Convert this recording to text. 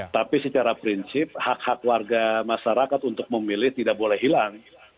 tapi secara prinsip hak hak warga masyarakat untuk memilih tidak boleh hilang